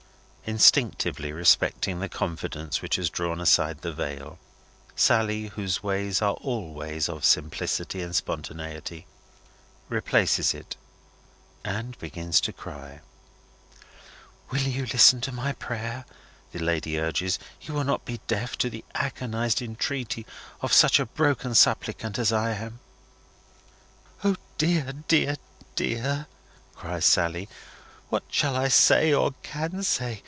Instinctively respecting the confidence which has drawn aside the veil, Sally whose ways are all ways of simplicity and spontaneity replaces it, and begins to cry. "You will listen to my prayer?" the lady urges. "You will not be deaf to the agonised entreaty of such a broken suppliant as I am?" "O dear, dear, dear!" cries Sally. "What shall I say, or can say!